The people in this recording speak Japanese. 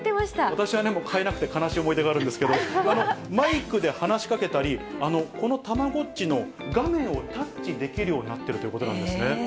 私は買えなくて悲しい思い出があるんですけど、マイクで話しかけたり、このたまごっちの画面をタッチできるようになってるということなんですね。